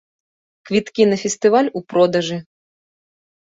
Квіткі на фестываль у продажы.